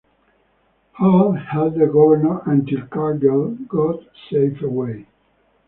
Hall held the governor until Cargill got safe away.